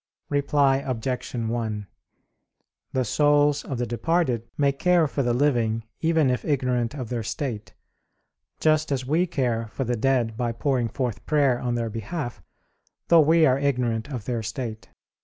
Reply Obj. 1: The souls of the departed may care for the living, even if ignorant of their state; just as we care for the dead by pouring forth prayer on their behalf, though we are ignorant of their state.